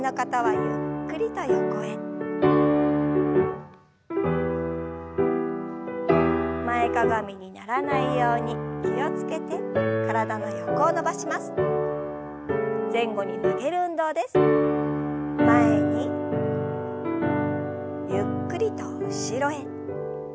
ゆっくりと後ろへ。